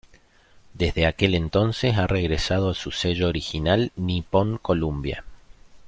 Desde aquel entonces ha regresado a su sello original Nippon Columbia.